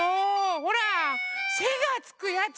ほら「せ」がつくやつ！